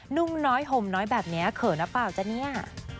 ุ่มน้อยห่มน้อยแบบนี้เขินหรือเปล่าจ๊ะเนี่ย